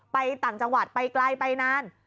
ต่างจังหวัดไปไกลไปนาน